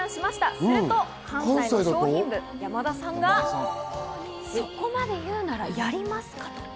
すると関西商品部の山田さんがそこまで言うならやりますかと。